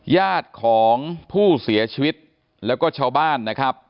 ญาติของผู้เสียชีวิตแล้วก็ชาวบ้านนะครับ